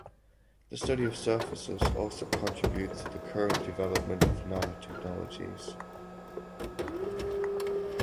The study of surfaces also contributes to the current development of nanotechnologies.